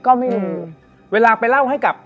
ก็ไม่รู้เวลาไปเล่าให้กับ